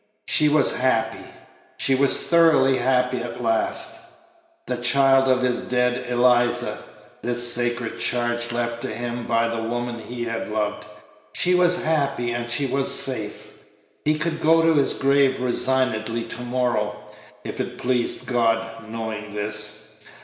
She was happy she was thoroughly happy at last the child of his dead Eliza, this sacred charge left to him by the woman he had loved; she was happy, and she was safe; he could go to his grave resignedly tomorrow, if it pleased God, knowing this.